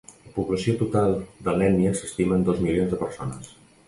La població total de l'ètnia s'estima en dos milions de persones.